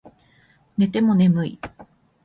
寝ても眠い